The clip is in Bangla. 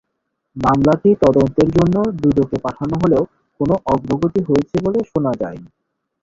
মামলাটি তদন্তের জন্য দুদকে পাঠানো হলেও কোনো অগ্রগতি হয়েছে বলে শোনা যায়নি।